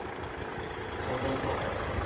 本当にそうだよって。